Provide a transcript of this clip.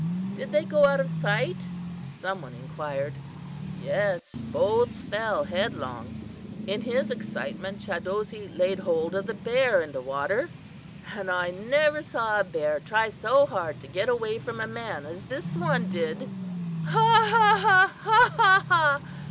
"Did they go out of sight?" some one inquired. "Yes, both fell headlong. In his excitement Chadozee laid hold of the bear in the water, and I never saw a bear try so hard to get away from a man as this one did." "Ha, ha, ha! ha, ha, ha!"